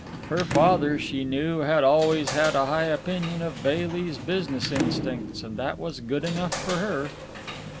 Her father, she knew, had always had a high opinion of Bailey's business instincts, and that was good enough for her.